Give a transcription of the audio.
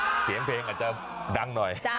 เสียงเพลงอาจจะดังหน่อย